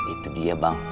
itu dia bang